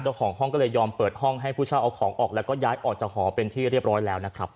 เจ้าของห้องก็เลยยอมเปิดห้องให้ผู้เช่าเอาของออกแล้วก็ย้ายออกจากหอเป็นที่เรียบร้อยแล้วนะครับ